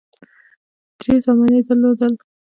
درې زامن یې درلودل.